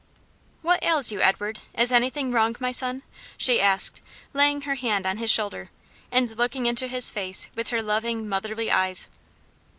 "What ails you, Edward is anything wrong, my son?" she asked, laying her hand on his shoulder, and looking into his face with her loving, motherly eyes.